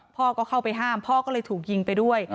พ่อก็เข้าไปห้ามพ่อก็เลยถูกยิงไปด้วย